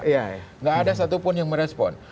tidak ada satupun yang merespon